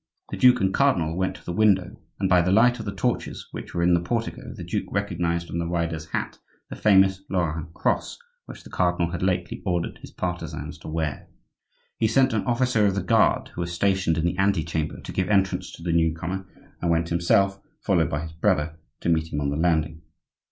The duke and cardinal went to the window, and by the light of the torches which were in the portico the duke recognized on the rider's hat the famous Lorraine cross, which the cardinal had lately ordered his partisans to wear. He sent an officer of the guard, who was stationed in the antechamber, to give entrance to the new comer; and went himself, followed by his brother, to meet him on the landing.